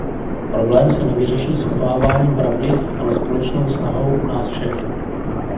Problém se nevyřeší schováváním pravdy, ale společnou snahou nás všech.